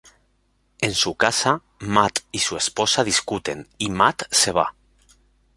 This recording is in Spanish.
En su casa, Matt y su esposa discuten y Matt se va.